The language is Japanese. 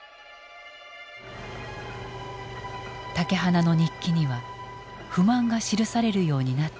竹鼻の日記には不満が記されるようになっていた。